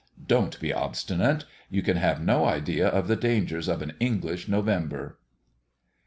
Don't be obstinate. You can have no idea of the dangers of an English November.